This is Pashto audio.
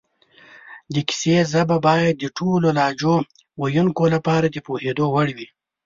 د کیسې ژبه باید د ټولو لهجو ویونکو لپاره د پوهېدو وړ وي